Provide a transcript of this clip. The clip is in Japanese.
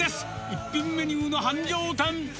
一品メニューの繁盛店。